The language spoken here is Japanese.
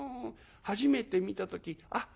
初めて見た時あっ